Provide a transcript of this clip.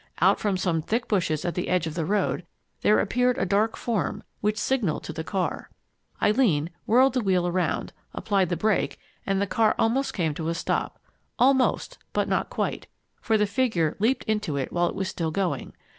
Out from some thick bushes at the edge of the road, there appeared a dark form, which signaled to the car. Eileen whirled the wheel around, applied the brake, and the car almost came to a stop. Almost but not quite, for the figure leaped into it while it was still going.